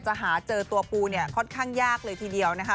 หาเจอตัวปูเนี่ยค่อนข้างยากเลยทีเดียวนะคะ